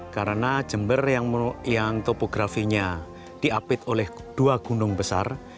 karena jember yang topografinya diapit oleh dua gunung besar